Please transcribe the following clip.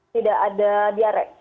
tidak ada diare